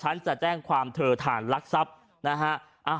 ฉันจะแจ้งความเถิดถ่านรักษัพย์นะคะ